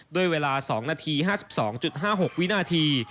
ด้วยเวลา๒นาที๕๒๕๖วินาที